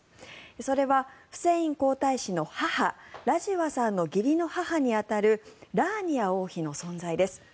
それは、フセイン皇太子の母ラジワさんの義理の母に当たるラーニア王妃の存在です。